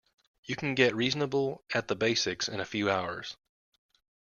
You can get reasonable at the basics in a few hours.